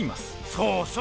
そうそう！